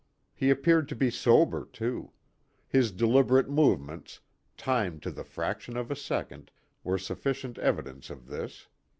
He appeared to be sober, too. His deliberate movements, timed to the fraction of a second, were sufficient evidence of this.